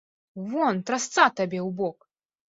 Вон, трасца табе ў бок!